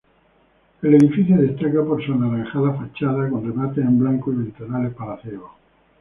El edificio destaca por su anaranjada fachada con remates en blanco y ventanales palaciegos.